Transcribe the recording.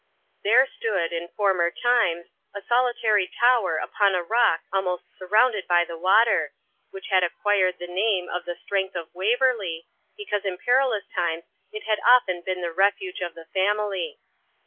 There stood, in former times, a solitary tower upon a rock almost surrounded by the water, which had acquired the name of the Strength of Waverley, because in perilous times it had often been the refuge of the family.